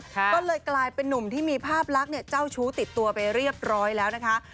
ก็เลยกลายเป็นนุ่มที่มีภาพลักษณ์เจ้าชู้ติดตัวไปเรียบร้อยแล้วนะคะ